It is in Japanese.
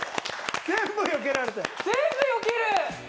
全部よけられて全部よける！